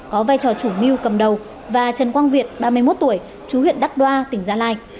có vai trò chủ mưu cầm đầu và trần quang việt ba mươi một tuổi chú huyện đắc đoa tỉnh gia lai